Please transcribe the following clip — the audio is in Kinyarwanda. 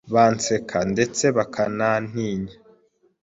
banseka ndetse bakanantinya,